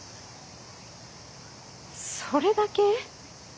それだけ？